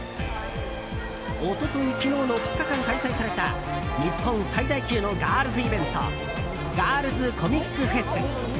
一昨日、昨日の２日間開催された日本最大級のガールズイベントガールズコミックフェス。